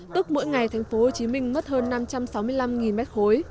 tức mỗi ngày thành phố hồ chí minh mất hơn năm trăm sáu mươi năm mét khối